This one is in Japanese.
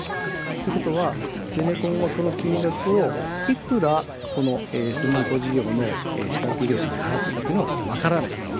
ということはゼネコンはこの金額をいくら、専門工事業の下請け業者さんに払ったのかは分からない。